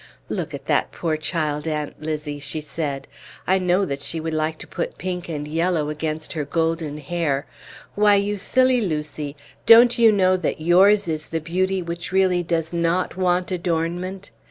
"Look at that poor child, Aunt Lizzie," she said; "I know that she would like to put pink and yellow against her golden hair. Why, you silly Lucy, don't you know that yours is the beauty which really does not want adornment?